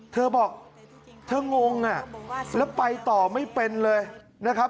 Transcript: เธอบอกเธองงอ่ะแล้วไปต่อไม่เป็นเลยนะครับ